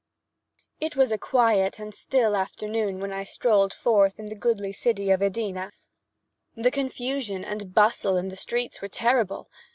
It was a quiet and still afternoon when I strolled forth in the goodly city of Edina. The confusion and bustle in the streets were terrible.